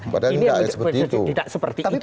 padahal ini tidak seperti itu